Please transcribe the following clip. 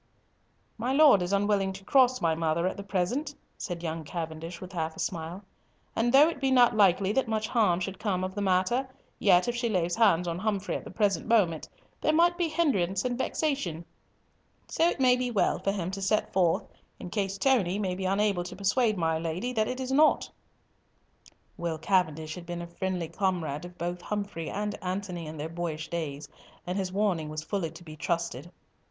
"My Lord is unwilling to cross my mother at the present," said young Cavendish with half a smile; "and though it be not likely that much harm should come of the matter, yet if she laid hands on Humfrey at the present moment, there might be hindrance and vexation, so it may be well for him to set forth, in case Tony be unable to persuade my Lady that it is nought." Will Cavendish had been a friendly comrade of both Humfrey and Antony in their boyish days, and his warning was fully to be trusted.